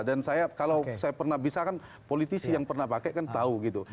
dan saya kalau saya pernah bisa kan politisi yang pernah pakai kan tahu gitu